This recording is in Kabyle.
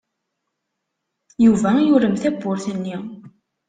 Yuba yurem tawwurt-nni.